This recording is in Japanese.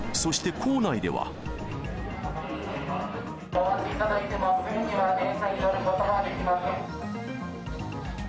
お待ちいただいても、すぐには電車に乗ることができません。